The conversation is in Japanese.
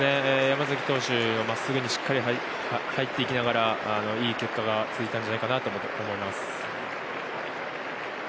山崎投手の真っすぐにしっかり入っていきながらいい結果がついたんじゃないかと思います。